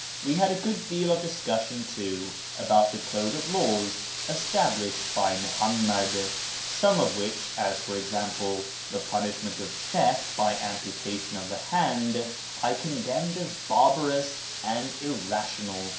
We had a good deal of discussion, too, about the code of laws established by Muhammad, some of which (as, for example, the punishment of theft by amputation of the hand) I condemned as barbarous and irrational.